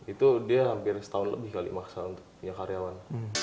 itu dia hampir setahun lebih kali maksa untuk punya karyawan